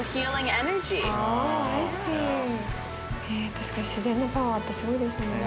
確かに自然のパワーってすごいですよね。